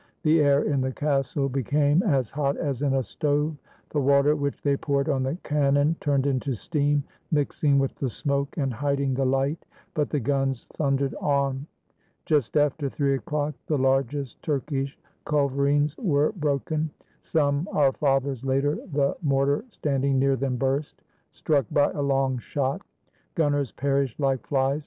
The air in the castle became as hot as in a stove. The water which they poured on the cannon turned into steam, mixing with the smoke and hiding the light; but the guns thundered on. Just after three o'clock, the largest Turkish culver ines were broken. Some "Our Fathers" later, the mor tar standing near them burst, struck by a long shot. Gunners perished like flies.